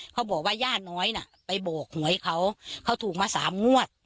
เขาบอกว่าย่าน้อยน่ะไปบอกหวยเขาเขาถูกมาสามงวด